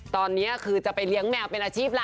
ตอนนี้คือจะไปเลี้ยงแมวเป็นอาชีพล่ะ